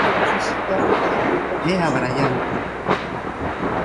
¡É abraiante!